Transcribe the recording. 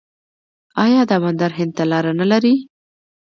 آیا دا بندر هند ته لاره نلري؟